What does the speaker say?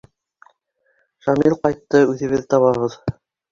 Шамил ҡайтты, үҙебеҙ табабыҙ!